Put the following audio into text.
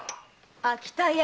秋田屋